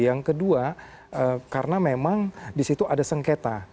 yang kedua karena memang di situ ada sengketa